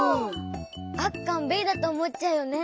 あっかんべえだとおもっちゃうよね。